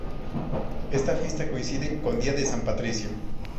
Esta fiesta coincide con el Día de San Patricio.